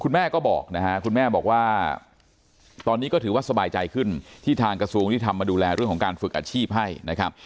แม่ก็บอกนะฮะคุณแม่บอกว่าตอนนี้ก็ถือว่าสบายใจขึ้นที่ทางกระทรวงยุติธรรมมาดูแลเรื่องของการฝึกอาชีพให้นะครับ